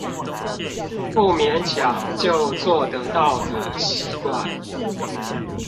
不勉強就做得到的習慣